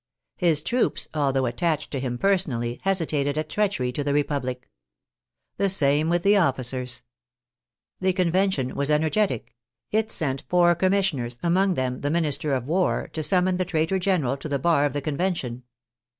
His troops, although attached to him personally, hesitated at treachery to the Republic. The same with the officers. The Convention was ener getic; it sent four commissioners, among them the Min ister of War, to summon the traitor general to the bar of the Convention.